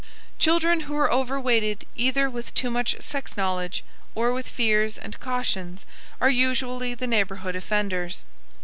Children who are overweighted either with too much sex knowledge or with fears and cautions are usually the neighborhood offenders.